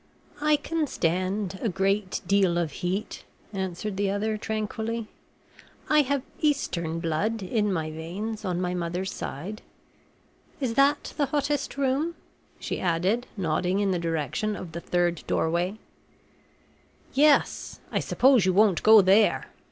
"I can stand a great deal of heat," answered the other, tranquilly. "I have Eastern blood in my veins, on my mother's side. Is that the hottest room?" she added, nodding in the direction of the third doorway. "Yes. I suppose you won't go there?